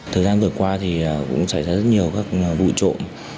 thời gian vừa qua thì cũng xảy ra rất nhiều các vụ trộm